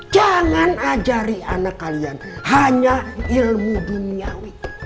jangan ajari anak kalian hanya ilmu duniawi